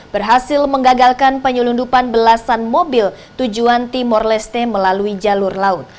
berhasil menggagalkan penyelundupan belasan mobil tujuan timor leste melalui jalur laut